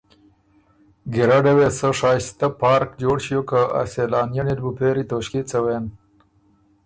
ګیرډه وې سۀ شائستۀ پارک جوړ ݭیوک که ا سېلانئنی ل بُو پېری توݭکيې څوېن